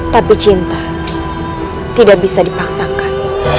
tapi cinta tidak bisa dipaksakan